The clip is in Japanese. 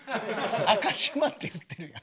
「赤島」って言うてるやん。